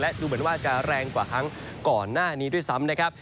ดูเหมือนว่าจะแรงกว่าครั้งก่อนหน้านี้ด้วยซ้ำนะครับ